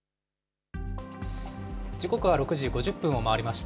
時刻は６時５０分を回りました。